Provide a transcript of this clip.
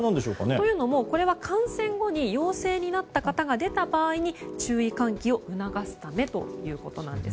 これは観戦後に陽性になった方が出た場合に注意喚起を促すためということです。